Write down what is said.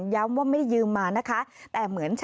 ฟังเสียงลูกจ้างรัฐตรเนธค่ะ